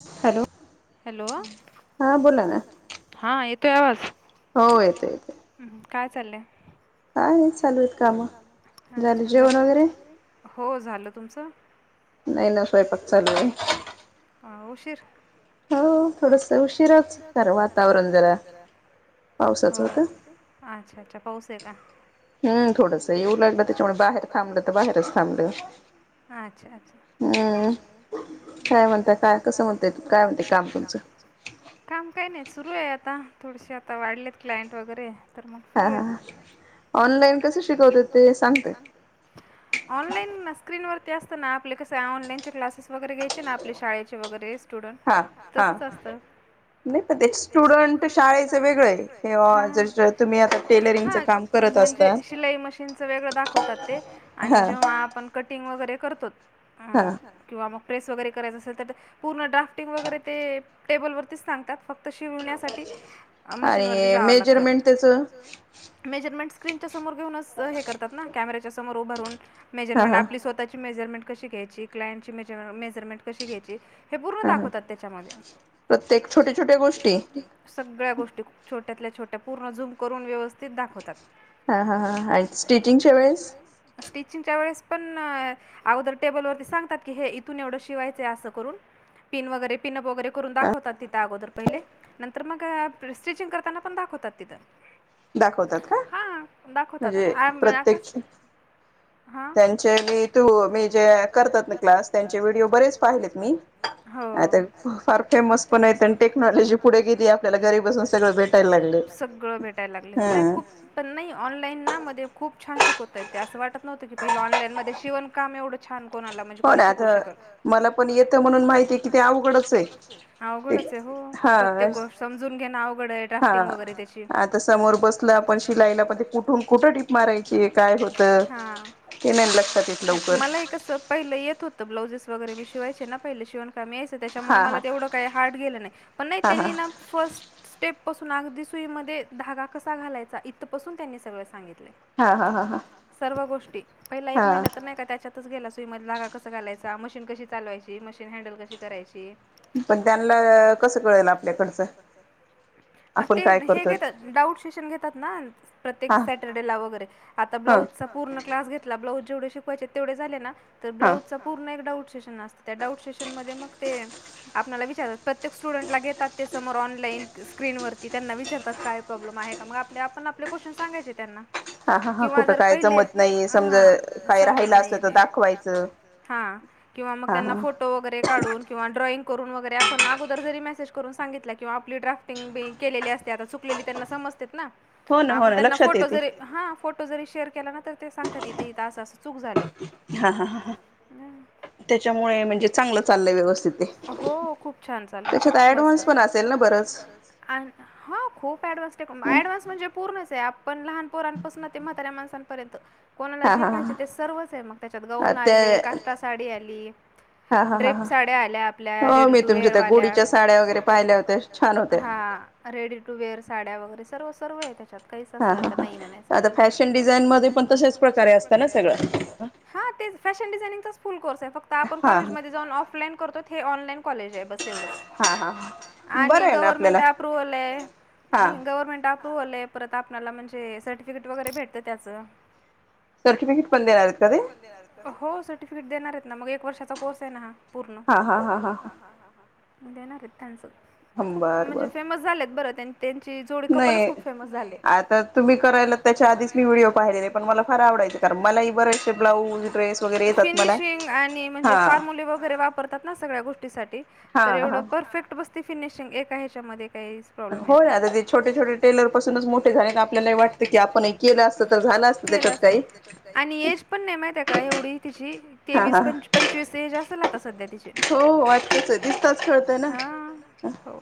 [unintelligible] Hello हा येतोय आवाज काय चाललंय. [unintelligible] हो झालं तुमचं, नाही ना स्वयंपाक चालू आहे. ह उशीर, हो थोडस उशीराच ख वातावरण जरा, हो अच्छा अच्छा पाहस का? हम्म थोडस येऊ लागलं, त्याच्यामुळे बाहेर थांबलं तर बाहेरच थांबलं. हम हम काय म्हणत काय कस होत काय होत कामच काम काय नाही. सुरू आहे आता, थोडेसे आता वाढलेत क्लायंट वगैरे, हा हा ऑनलाईन स्कन व, ते असतं ना आपले कसे ऑनलाईनचे क्लासेस वगैरे घ्यायचे ना आपले शाळेचे वगैरेच, स्टुडंट तसच असतं. नाही प त्या स्टुडंट शाळेचं वेगळं आहे. ज तुम्ही आ टेलरिंगचं काम कर, म्हणजे शिलाई मशीनच वेगळं दाखवतात. ते आणि जेव्हा आपण कटिंग वगैरे, करतो किवा मग आपण प्रस वगैरे करतो, कराय असेल तर पूर्ण ड्राफ्टिंग वगैरे ते टेबलवरतीच सांगतात फक्त, फक्त शिवण्या साठी मशीन वर जावावं लागत, मेजरमेंट स्क्रीन समोर रा च घेऊन करतात ना कॅमेराच्या समोर उभा राहून मेजरमेंट आपली स्वतःची मेजरमेंट, मेजरमेंट कशी घ्यायची क्लायंटची मेजरमेंट कशी घ्यायची. हे पूर्ण दाखवतात, त्याच्यामध्येक छोट्या छोट्या गोष्टी सगळ्या गोष्टीप छोट. ्या छोट्या पूर्ण जुम करून व्यवस्थित दाखवतात. हा हा हां आणि स्टिचिंगच्या वेळेस, स्टिचिंगच्या वेळेस पण अगोदर टेबलवरती सांगतात. की हे इथून एवढं, शिवायचे असं करून, पिन वगैरे पिनअप वगैरे करून दाखवतात तिथे अगोदर पहिले नंतर मग स्टिचिंग करताना पण दाखवत. होततता हा दाखवतात कस त्यांचे मी तू मी जे करत क्लास त्यांचे व्हिडिओ, बरंच पाहिलेत मी, आणि ते फार फेमस पण आहेत आणि टेक्नॉलॉजी पण पुढे गेली, सगळं भेटायला लागले हो नाही खूप पण नाही ऑनलाईन ना मध्ये खूप, ू छान शिकतय अस वाट नव्हत, की पहिल ऑनलाई मध्ये शिव काम एवं छ, कोणाला म्हणजे कोणी शिकू शकत. मला पण येत म्हण माहिती, अवघडच आहे हो प्रत्येक गोष्ट समजून घ ना अवघड आहे ड्राफ्टिंग वगैरे त्याचे, काय होत नाही लक्षात येत लवकर, येत होत ब्लाउजे वगरे मी शिवायचे ना पहिले शि, त्याच्यामुळे मला तेवढ काही हार्ड गेलं नाही पण नाही त्यांनी ना फास्ट, ्टेप पासून अगदी सुई मध्ये धागा कसा घालायचा इथंपासून त्यांनी सगळं सांगितलं. सर्व गोष्ट पहिला एक महिना तर नाही का त्याच्यातच गेला सुई म जागा कसं घालायचा. मशीन कशी चालवायची मशीन हँडल कशी करायची. पण त्या पण त्यांना कसं कयला लागतय पणचं ते हे घेतात ना डाऊट सेशन घेतात ना प्रतेक सटर्डे वगरे आ चा पूर्ण क्ला घला्ला जवे शिकवायचे तेव झाले ना तर ब्लाज डाऊट सेशन असत. त्या डाऊट सेशन मधे मग ते आपणाला विचारतात प्रत्येक स्टूडेंट ला घेतात समोर ऑनलाईन स्क्रीनवरती त्यांना विचारतात काय प्रॉब्लेम आहे. का मग आपले आपण आपले क्वेश्चन सांगायचे त्यांना हा, हा, हा, कुठं काय जमत नाही. समज काय राहिला असल तर दाखवायचं. हा किंवा मग त्यांना फोटो वगैरे काून किंवा ड्रॉ. करून अगोदर जर मेज करून सांगित किं आप डाफ्टिंग केलेली असतेता चुक त्यांना असत्यात ना त्यानं फोटो जरी हा फोटो जरी शेअर केला ना तर ते सांगतात तथे तास असं चूक झाले. हा, हा, ह, ह. त्याच्या मुळे चांगले हो खूप छान चालले खूप मस्त. खूप अँडव्हान्स अँडव्हान्स म्हणजे पूर्णच आहे. आपण लहान पोरांपासून म्हाता्या माणसांपर्यंत कोणाला जे पाहिजे ते सर्वच आहे. मग त्याच्यात गहन आले काष्टा साडी आली ड्रेप साड्या आल्या आपल्या रेडी टू वेअरवाल्या गुडीच्या साड्या वगैरे पाल्या होत्या हा रेडी टू वेअर साड्या वगैरे सर्व सर्व आहेत. काहीच अस नाही म्हणायचं नाही आता फॅशन डिझाइन अश्याच प्रकारे असत ना सगळ हा ते फॅशन डझानंगचा फुल कोर्स आहे. फक्त आपण कॉलेजमध्ये जाऊ ऑफलाईन करतो ते ऑनलाईन कॉलेज आहे. बस एवढंच आणि गव्हर्नमेंट अप्रुव्हल आहे. नाही गव्हर्नमेंट अ तूलय परत आपला म्हणजे सर्टिफिकेट वगैरे भेटत त्याचं सर्टिफिकेट पण देणार आहेत. का ते हो सर्टिफिकेट देणार आहेत. ना मग एक वर्षाचा कोर्स आहे ना हा पूर्ण देणार आहेत. त्यांचं खूप म्हणजे फेमस झालेत बरं त्यांची जोडी कपलच खूप फेमस झाले आता तुम्ही करायला त्याच्या आधीच मी व्हिडओ पाहि कार मला इ बर अस ब्लाौज ड्रेस फिनिशिंग आणि म्हणजे फॉर्म्यले वगैरे वापरतात ना सगळ्या गोष्टीसाठी तर एवढं परफेक्ट ब फिनिशिंग एक हेच्यामध्ये काही प्रॉब्लेम येत नाही. हो आता ते छोटे छोटे टेलर पासून मोठे झाले आपल्याला वाटत की आपण केला आणि एज पण नेम त्या का एवढी ति तेवीस पंचवीसता सध्या तिचे [unintelligible] हो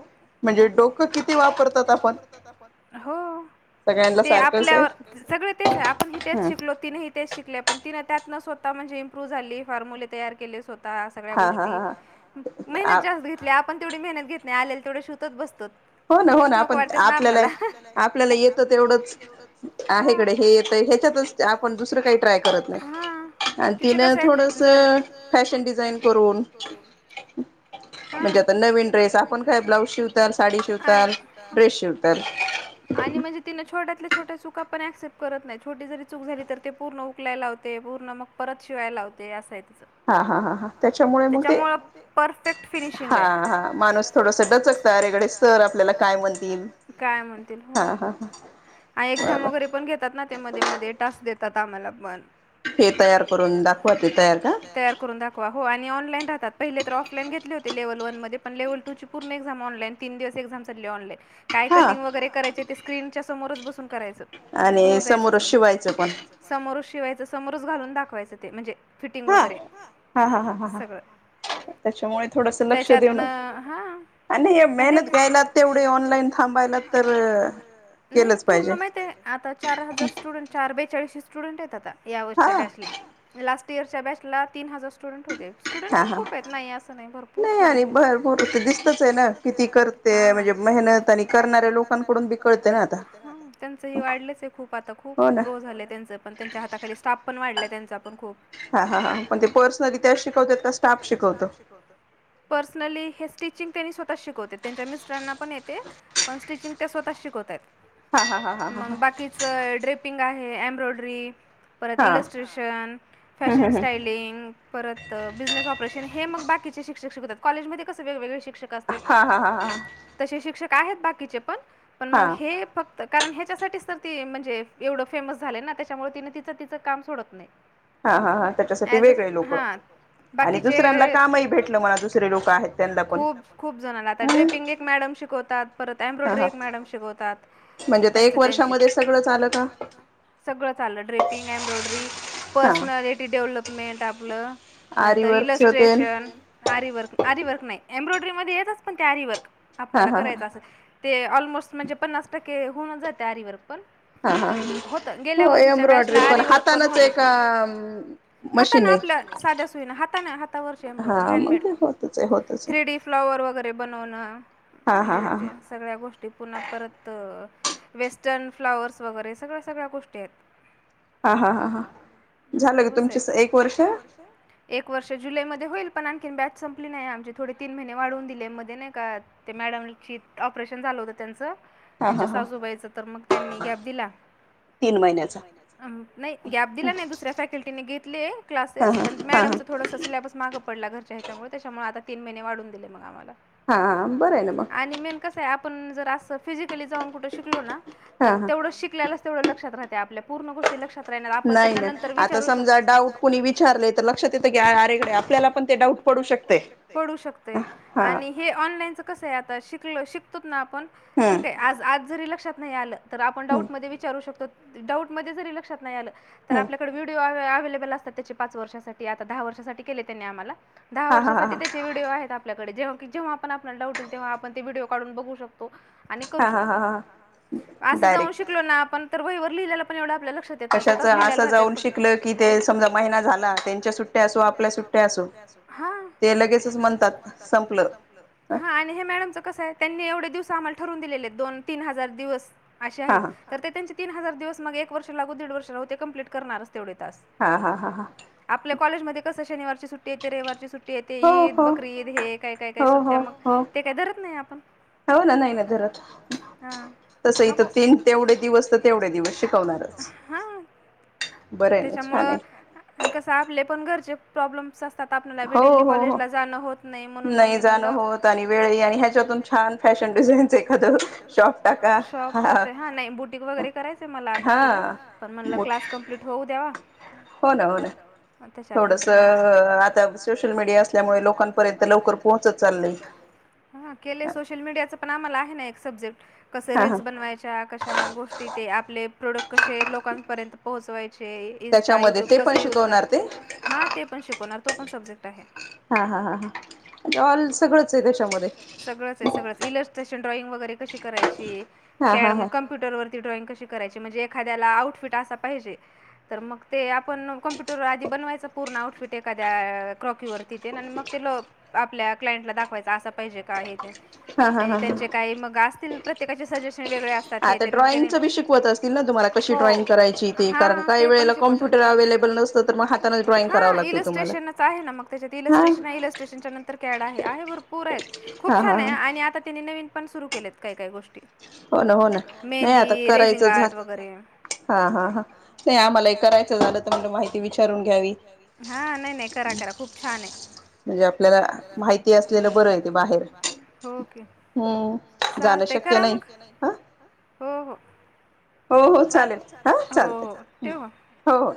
खूप आहे. म्हणजे डोक किती वापरतात आपण- हो ते आपल्यावर सगळे तेच आहे. आपण हि तेच शिकलो ति ही तेच शिकले पण तिने त्यात स्त म्हणजे इम्प्रूव झाली फॉर्ममुले तयार केले स्वतः सगळ्या गोष्टी मेहनत जास्त घेतल्या आपण तेवढी मेहनत घेत नाही. आलेल तेवढे शवत बसतो. हो ना, हो ना, आपण आपल्याला आपल्याला येत तेवढंच आहेकडे हे येत. ह्याच्यातच आपण दुसरं काही ट्रय करत आणि तिनं थोडस फॅशन डिझाईन करून. म्हणजे आता नवीन ड्रेस आपण काय ब्लाउज शिवत साडी आणि, आणि म्हणजे तिन छोट्या छोट चूक आपण क्सेप्ट करत नाही. छेटी जरी चूक झाली तर ते पूर् उकय लाव ते पूर्ण मग परत शिवायलावते असा त्याच्यामुळ परफेक्ट फिनिशिंग आहे. दकच त इकडे आपल्याला सर काय म्हणतील. काय म्हणतील हो आणि एक्झाम वगैरे पण घेतात ना ते मध्ये मध्ये टास्क देतात आम्हाला पण हे तयार करून दाखव ते तयार का हो आणि ऑलाईन राहतात पहिले तर ऑफलाईन घेतले होते लेवलवर लेल टू पमनन तन दिवसक्म ऑनलान काय कटर कय [inaudible] [inaudible] स्क्रीनच्या समोरच बसून करायच दूर जायचं समोर शिवाय समोरच घालून दाखवायचं ते म्हणजे फिटिंग वगैरे सगळं त्याच्यातन हा नाही देत मेहनत घ्यायला तेवढ ऑनलाईन थांबायला तर नाही पूर्ण माहित. आता चार हजार स्टुडंट चार बै या वर्षी स्टुडंट्स आहेत आता या वर्षी बॅचला लास्ट इयर च्या बॅचला तीन हजार स्टुडंट होते स्टुडंट पण खूप आहेत नाही असं नाही भरपूर स्टुडंट आहे. हा करणाऱ्या लोकांकडून त्यांच हे वाढलंच आहे खूप आता खूप ग्रो झालं त्यांचं पण त्यांच्या हाताखाली स्टाफ पण वाढला त्यांचा पण खूप ते शत स्ट शवत पर् [inaudible] स्टिचिंग त्यांनी स्वतः शिकवते त्यांच्या मिस्टरांना पण येते पण स्टिचिंग त्या स्वतःच शिकवत आहेत. मग बाकीच ड्रेपिंग आहे एम्ब्रॉयडरी परत इलस्ट्रेशन, फॅशन स्टाईलिंग परत बिझनेस ऑपरेशन हे मग बाकीचे शिक्षक शिकवतात कॉलेज मध्ये कस शिक्षक शिकवतेत तशी शिक्षक बाकीचे प पण मग हे फक्त कारण ह्याच्यासाठीच तर ती म्हणजे एवढं फेमस झाले ना त्याच्यामुळे तिने तिचं तिचं काम सोडत नाही. हा हा हा त्याच्यासाठी वेगळे लोक बाकीचे खूप खूप जणाला आ ड्रिपिंग एक मॅड शिकवतात परत एम्ब्रॉयडरी एक मॅडम शिकवतात. त्यांच त्यांच सगळं चाल्ल एम्ब्रडरी पर्सनलिटी डेव्हलपमेंट आपलं नंतर इलस्ट्रेशन, आरी वर्क आर वर्क नाही एम्ब्रॉयडरी मध्ये येतच पण ते आरी वर्क, आपल्याला करायचं असेल ते ऑलमोस्ट म्हणजे पन्नास टक्के होऊन जाते आरीवर होत गेल्या वर्षीच्या बॅचला आरीवर्क पण होत. हातान आपल्या साध्या सुईना हातान हातावरची embroidery handmade three D flower वगैरे रे बनवणं हे ते सगळ्या गोष्टी पुन्हा परत वेस्टर्न फ्लावर्स वगैरे सगळ्या सगळ्या गोष्टी आहेत. सर्वच आहे एक वर्ष जुलै मधी होईल. पण आणखी बॅच संपली नाही आमचे थोडे तीन महिने वाढून दिले मध्ये नाही का मॅडम ऑपरेशन त्यांच्या सासूबाईच तर मग त्यांनी गॅप दिला. नाही गॅप दिला नाही दुसऱ्या फॅकल्टीने घेतली क्लासेस पण मॅडमचं थोडंस सिलेबस माग ड घरच्यांच्यामुळ त्याच्यामुळ आता तीन महिने वाढून दिल मग आम्हाला मेन कसआहे. आपण जर असं फिजिकली जाऊन कुठ शिकलो ना तर तेवढं शिकल्यालाच तेवढ लक्षात राहते आपल्या पूर्णोष्टी लक्ष आपण त्यांना नंतर विचारू शकत समजा डाउट कोणी विचारले तर लक्षात येत अरे आपल्याला ऑन कस [inaudible] शिकतो ना आपण ठीक आहे आज आज जरी लक्षात नाही आलं तर आपण डाऊटमध्ये विचारू शकतो. डाऊट मध्ये जरी लक्षात नाही आलं तर आपल्याकडे व्हिडिओ पाच वर्षासाठी आता दहा वर्षासाठी केलंय त्यांनी आम्हाला दहा वर्षासाठी त्याचे वीडियो आहेत. डेे जव्हा आपण आपला डाट तेव्हा आपण ते व्हिडिओ काढून बघू शकतो. आणि करू शकतो असं जाऊन शिकलो ना आपण तर वई वर लिहिलेला पण एवढा आप लक्ष देत नाही स्वतच लिहिलेल राहतंय पण जाऊन शिकल की समजा महिना झाला त्यांच्या सुट्या अस आपल्या लेचणात हे मॅडमच कस आहे त्यांनी एवढ दिवस आम्हाला ठरून दिलेल आहेत दोन तीन हजार दिवस असे आहेत तर त्यांचे तीन हजार दिवस म वर्ष लागो दीड वर्ष लागो ते कंप्लिट करणारच तेवढे तास हा हा आपल्या कॉलेज मध्ये कस सुट्ट येते रविवारची सुट य तेे ईद बकरी ईद हे काय काय काय सुट्ट्या मग ते काय धरत नाही आपण हव ना नाही ना धरत तसं इथं तीन तेवढे दिवस तर तेवढे दिवस शिक हा त्याच्यामुळं कस आपले. पण घरचे प्रॉब्लेम असतात डेल्ली कॉलेज ला जाणं होत नाही म्हणून मग मी म्हणलं शॉप होत हा नाही बुटिक वगैरे करायच मला आता पण म्हणलं क्लास कंप्लीट होऊ द्यावा. हो ना त्याच्यानंतर आता सोशल मीडिया असल्यामुळे लोकांन प केलंय सोशल मीडिया चा पण आम्हाला आहे ना एक सब्जेक्ट. कसे रीलल्स बनवायच्या कशा मग गोष्टी ते आपले प्रोडक्ट कसे लोकांपर्यंत पोहोचवाय चे. इंस्टा, युट्यूब कस यूज कराय हा ते पण शिकवणार तो पण सब्जेक्ट हा हा हा हा ऑल सगळंच आहे त्याच्यामध्ये. त्याच्यात ड्रॉइंग वगैरे कशी करायची कॅड म कमपुटर ड्रॉइंग कशी करायची. एखाद्या आउफिट असा पाहिजे तर मग ते आपण कॉम्प्युटरवर आधी बनवायच पूर्ण आउटफिट एखाद्या क्रॉकीवरती ते आणि मग ते आपल्या क्लायंटला दाखवायचा असं पाहिजे का हे? त्यांनी त्यांचे काही मग असतील प्रत्येकाचे सजेशन वेगळे असतात हे मग त्या हो ते पण शिकवतात. इलिस्ट्रेशन आहे ना मग त्याच्यात इलिस्ट्रेशन इलिस्ट्रेशन इलिस्ट्रेशन नंतर कॉड आहे, भरपूर आहेत खूप छान आहे. आणि आता त्यांनी नवीन पण सुरू केलेत काही काही गोष्टी मेहंदी, रेझिंग आर्ट वगैरे हा हा आम्हाला हे करायचं झालं माहिती विचारून घ्यावी, हा नाही नाही करा. खूप छान, आहे हम हो की. हम्म जाणं शक्य नाही. हो हो. हो हो चालेल, हा चालते हो हो.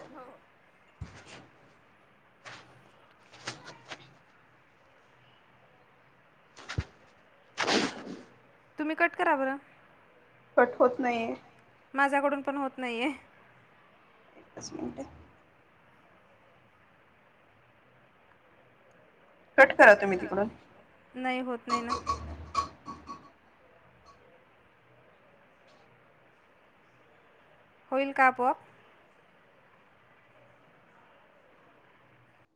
तुम्ही कट करा बरं! कट होत नाहीे. माझ्याकडून पण होत नाहीये. एकच मिनट! कट करा त मी तिकडून. होईल का आपोआप?